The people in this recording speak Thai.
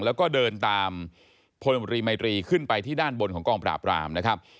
แล้วก็เดินตามพลบุรีมัยตรีขึ้นไปที่ด้านบนของกองปราบรามนะครับ